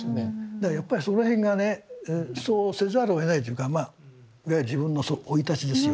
だからやっぱその辺がねそうせざるをえないというかまあいわゆる自分の生い立ちですよ。